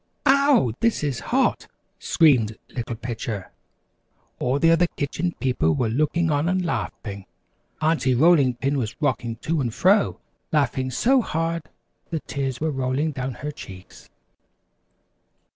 "Ouw! this is hot!" screamed Little Pitcher. All the other Kitchen People were looking on and laughing. Aunty Rolling Pin was rocking to and fro, laughing so hard the tears were rolling down her cheeks.